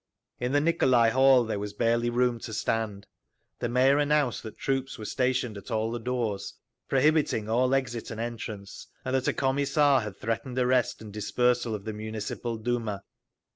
In the Nicolai Hall there was barely room to stand. The Mayor announced that troops were stationed at all the doors, prohibiting all exit and entrance, and that a Commissar had threatened arrest and the dispersal of the Municipal Duma.